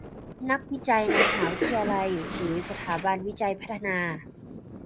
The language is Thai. นักวิจัยในมหาวิทยาลัยหรือสถาบันวิจัยพัฒนา